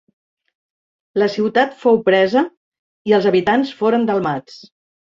La ciutat fou presa i els habitants foren delmats.